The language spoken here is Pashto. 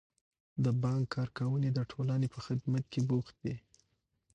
د بانک کارکوونکي د ټولنې په خدمت کې بوخت دي.